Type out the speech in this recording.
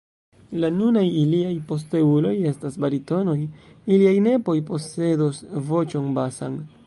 La nunaj iliaj posteuloj estas baritonoj, iliaj nepoj posedos voĉon basan.